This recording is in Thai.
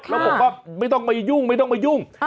แล้วบอกว่าไม่ต้องมายุ่งไม่ต้องมายุ่ง